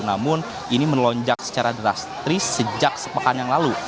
namun ini melonjak secara drastis sejak sepekan yang lalu